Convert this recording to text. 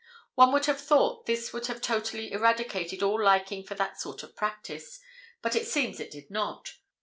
One would have thought this would have totally eradicated all liking for that sort of practice, but it seems it did not.